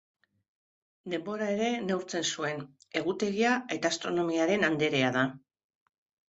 Denbora ere neurtzen zuen, Egutegia eta Astronomiaren Anderea da.